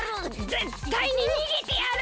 ぜったいににげてやる！